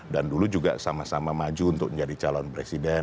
dan dulu juga sama sama maju untuk menjadi calon beresiko